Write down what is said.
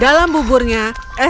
dia mencari bubur yang lebih enak